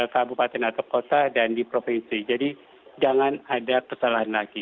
kabupaten atau kota dan di provinsi jadi jangan ada kesalahan lagi